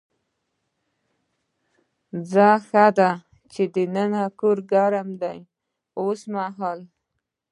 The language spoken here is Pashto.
ځه ښه ده چې دننه کور ګرم دی اوسمهال.